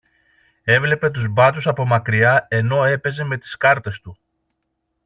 έβλεπε τους μπάτσους από μακριά ενώ έπαιζε με τις κάρτες του.